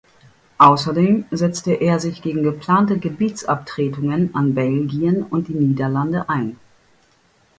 Außerdem setzte er sich gegen geplante Gebietsabtretungen an Belgien und die Niederlande ein.